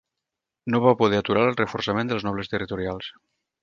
No va poder aturar el reforçament dels nobles territorials.